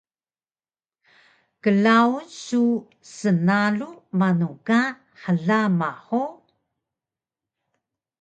Klaun su snalu manu ka hlama hug?